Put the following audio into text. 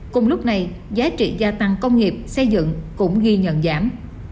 cùng lúc này giá trị gia tăng công nghiệp xây dựng cũng ghi nhận giảm